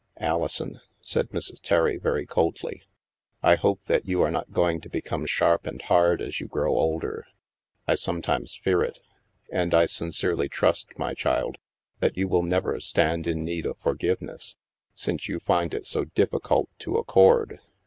" Alison," said Mrs. Terry, very coldly, " I hope that you are not going to become sharp and hard as you grow older. I sometimes fear it. And I sincerely trust, my child, that you will never stand in need of forgiveness, since you find it so difficult to accord.